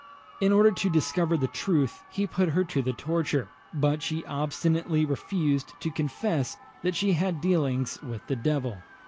In order to discover the truth, he put her to the torture; but she obstinately refused to confess that she had dealings with the devil.